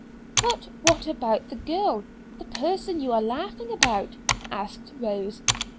"But what about the girl the person you are laughing about?" asked Rose.